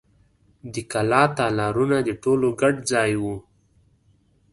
د کلا تالارونه د ټولو ګډ ځای و.